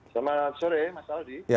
selamat sore mas aldi